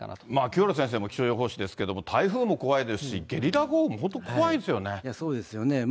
清原先生も気象予報士ですけれども、台風も怖いですし、ゲリラ豪雨も本当、そうですよね。